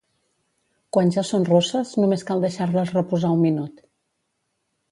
Quan ja són rosses, només cal deixar-les reposar un minut.